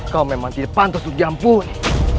kau memang tidak pantas untuk diampuni